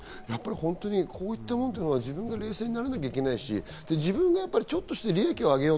こういったものというのは自分が冷静にならなきゃいけないし、自分がちょっとした利益をあげよう。